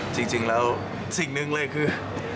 จริงแล้วสิ่งหนึ่งเลยคือ